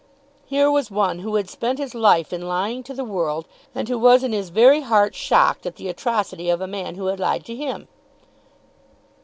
Here was one who had spent his life in lying to the world, and who was in his very heart shocked at the atrocity of a man who had lied to him!